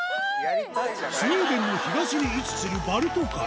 スウェーデンの東に位置するバルト海